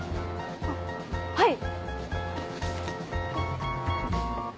あっはい！